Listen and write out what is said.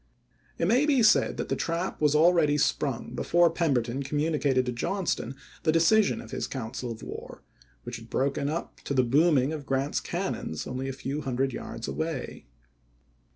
It may be said that the trap was al p* 892. " ready sprung before Pemberton communicated to Johnston the decision of his council of war, which had broken up to the booming of Grant's cannons only a few hundred yards away.